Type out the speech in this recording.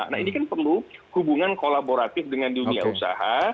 nah ini kan perlu hubungan kolaboratif dengan dunia usaha